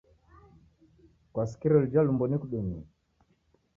Kwasikire luja lumbo nikudumie?